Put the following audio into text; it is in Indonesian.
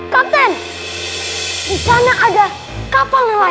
kapten disana ada kapal nelayan